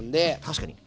確かに。